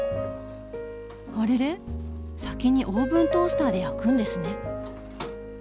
あれれ⁉先にオーブントースターで焼くんですね。